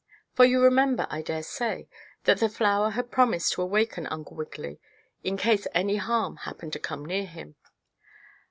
For you remember, I dare say, that the flower had promised to awaken Uncle Wiggily in case any harm happened to come near him.